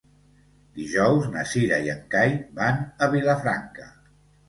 Dijous na Cira i en Cai van a Vilafranca.